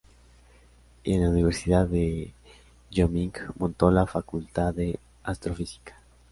Y en la Universidad de Wyoming montó la Facultad de astrofísica.